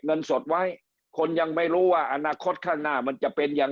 เงินสดไว้คนยังไม่รู้ว่าอนาคตข้างหน้ามันจะเป็นอย่าง